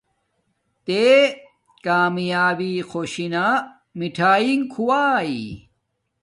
تے کامیابی خوشی نا میٹھایگ کھواݵ